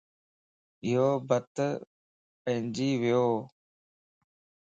يو بت بنجي ويووَ